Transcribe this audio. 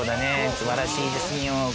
素晴らしいですよ。